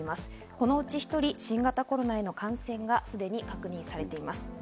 このうち１人新型コロナへの感染がすでに確認されています。